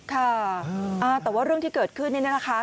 ค่ะแต่ว่าเรื่องที่เกิดขึ้นนี่นะคะ